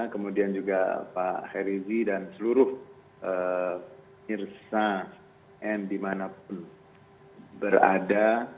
kemudian juga pak herizi dan seluruh nirsa n dimanapun berada